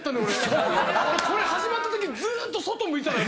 これ始まったときずっと外向いてたから。